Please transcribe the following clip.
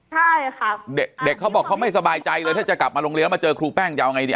ใช่ค่ะเด็กเขาบอกเขาไม่สบายใจเลยถ้าจะกลับมาโรงเรียนแล้วมาเจอครูแป้งจะเอาไงดี